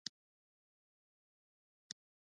د کونړ ځنګلونه ولې مشهور دي؟